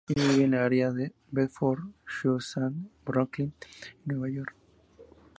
Ella vive en la Área de Bedford–Stuyvesant de Brooklyn, New York.